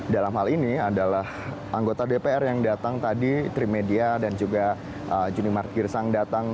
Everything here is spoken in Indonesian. dalam hal ini adalah anggota dpr yang datang tadi trimedia dan juga juni mart girsang datang